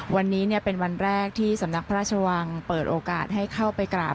วันนี้เป็นวันแรกที่สำนักพระราชวังเปิดโอกาสให้เข้าไปกราบ